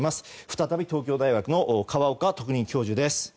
再び東京大学の河岡特任教授です。